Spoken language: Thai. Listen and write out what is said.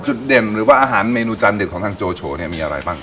จุดเด่นหรือว่าอาหารเมนูจานเด็ดของทางโจโฉเนี่ยมีอะไรบ้าง